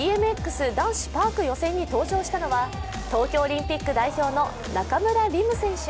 男子パーク予選に登場したのは東京オリンピック代表の中村輪夢選手。